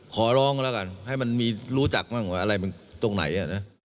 ขอร้องล่ะกันให้มันรู้จักว่าอะไรตรงไหน